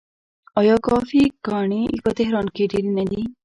آیا کافې ګانې په تهران کې ډیرې نه دي؟